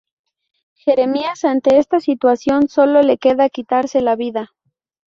Jeremías, ante esta situación solo le queda quitarse la vida.